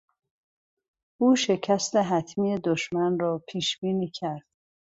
او شکست حتمی دشمن را پیشبینی کرد.